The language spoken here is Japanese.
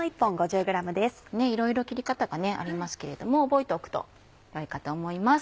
いろいろ切り方がありますけれども覚えておくとよいかと思います。